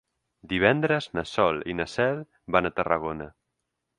Divendres na Sol i na Cel van a Tarragona.